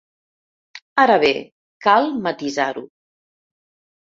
Ara bé, cal matisar-ho.